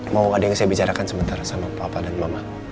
mau ada yang saya bicarakan sementara sama papa dan mama